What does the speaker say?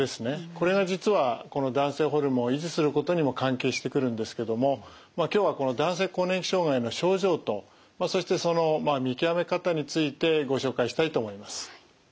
これが実はこの男性ホルモンを維持することにも関係してくるんですけども今日はこの男性更年期障害の症状とそしてその見極め方についてご紹介したいと思います。